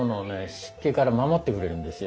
湿気から守ってくれるんですよ。